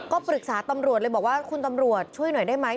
ก็ปรึกษาตำรวจเลยบอกว่าคุณตำรวจช่วยหน่อยได้ไหม